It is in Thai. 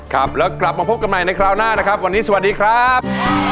ครับนะครับกลับมาพบกันใหม่ในครานหน้านะครับสวัสดีครับ